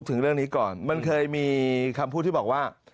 ถึงเรื่องนี้ก่อนมันเคยมีคำพูดที่บอกว่า